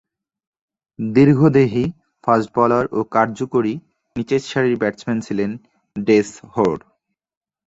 দীর্ঘদেহী fast bowler ও কার্যকরী নিচেরসারির ব্যাটসম্যান ছিলেন ডেস হোর।